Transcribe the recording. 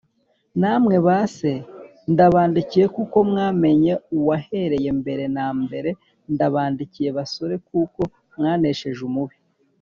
Namwe ba se, ndabandikiye kuko mwamenye uwahereye mbere na mbere. Ndabandikiye basore, kuko mwanesheje Umubi.